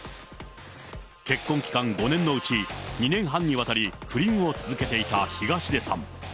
結婚期間５年のうち、２年半にわたり、不倫を続けていた東出さん。